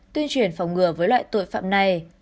tuyên truyền phòng ngừa với loại tội phạm này